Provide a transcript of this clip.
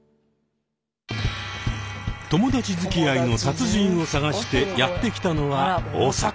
友達づきあいの達人を探してやって来たのは大阪。